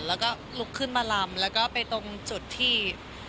แล้วก็ลุกขึ้นมาลำแล้วก็ไปตรงจุดที่